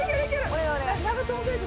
長友選手